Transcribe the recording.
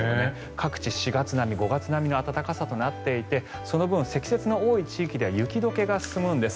各地、４月並み５月並みの暖かさとなっていてその分、積雪の多い地域では雪解けが進むんです。